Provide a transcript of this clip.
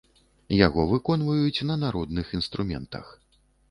Яго выконваюць на народных інструментах.